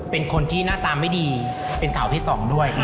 เป็นคนที่หน้าตาไม่ดีเป็นสาวเพศ๒ด้วย